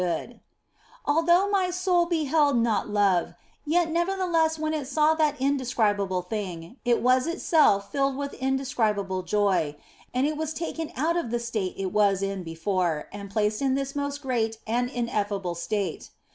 And although my soul beheld not love, yet nevertheless when it saw that indescribable thing it was itself filled with indescribable joy, and it was taken out of the state it was in before and placed in this most great and in effable state.